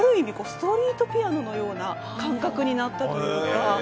ストリートピアノのような感覚になったというか。